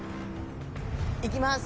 いきます。